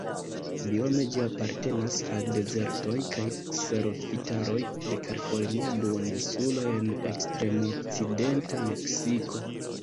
Biome ĝi apartenas al dezertoj kaj kserofitaroj de Kalifornia Duoninsulo en ekstrem-okcidenta Meksiko.